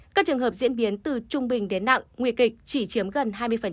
các trường hợp diễn biến từ trung bình đến nặng nguy kịch chỉ chiếm gần hai mươi